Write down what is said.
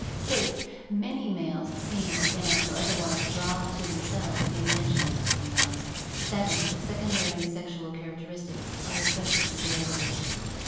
Sixth, many males sing, or dance, or otherwise draw to themselves the attention of the females. Seventh, the secondary sexual characteristics are especially variable.